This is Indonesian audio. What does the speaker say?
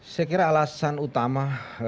saya kira alasan utama